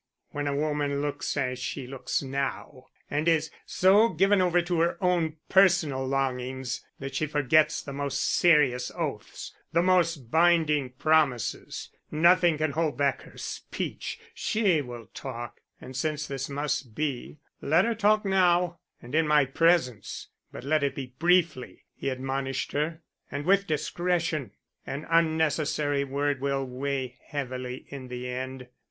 "When a woman looks as she looks now, and is so given over to her own personal longings that she forgets the most serious oaths, the most binding promises, nothing can hold back her speech. She will talk, and since this must be, let her talk now and in my presence. But let it be briefly," he admonished her, "and with discretion. An unnecessary word will weigh heavily in the end.